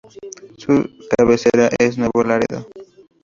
Su cabecera es Nuevo Laredo.